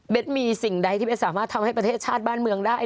เป็นสิ่งใดที่เบสสามารถทำให้ประเทศชาติบ้านเมืองได้